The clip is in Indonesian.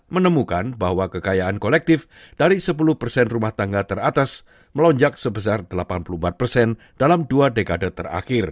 menemukan bahwa kekayaan kolektif dari sepuluh persen rumah tangga teratas melonjak sebesar delapan puluh empat persen dalam dua dekade terakhir